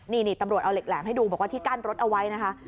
นี่ตำรวจเอาเหล็กแหลมให้ดูบอกว่าที่กั้นรถเอาไว้นะคะ